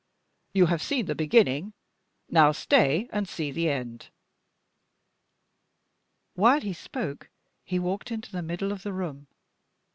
You have seen the beginning, now stay and see the end." While he spoke, he walked into the middle of the room.